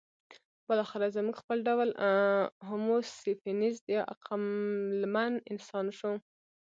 بالاخره زموږ خپل ډول هومو سیپینز یا عقلمن انسان شو.